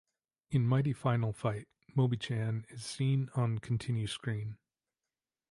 In Mighty Final Fight, Mobichan is seen on continue screen.